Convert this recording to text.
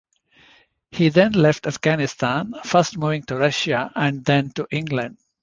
He then left Afghanistan, first moving to Russia and then to England.